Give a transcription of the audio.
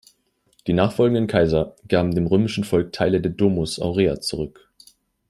Die nachfolgenden Kaiser gaben dem römischen Volk Teile der Domus Aurea zurück.